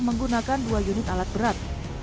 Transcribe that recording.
menggunakan dua unit alat berat